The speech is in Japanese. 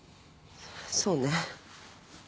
そそうね。